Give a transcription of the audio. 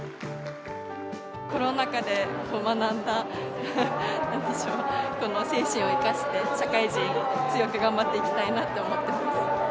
コロナ禍で学んだ、なんでしょう、この精神を生かして、社会人、強く頑張っていきたいなと思ってます。